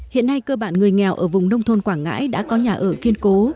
hiện nay cơ bản người nghèo ở vùng nông thôn quảng ngãi đã có nhà ở kiên cố